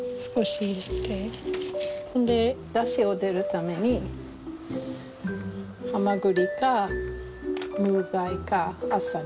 それでだしを出るためにハマグリかムール貝かアサリ。